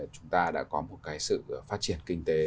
chúng ta đã có một cái sự phát triển kinh tế